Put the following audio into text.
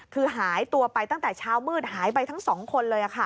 คือหายตัวไปตั้งแต่เช้ามืดหายไปทั้ง๒คนเลย